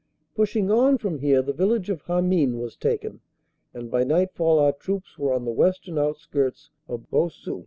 Pushing on from here the village of Hamin was taken, and by nightfall our troops were on the western outskirts of Boussu.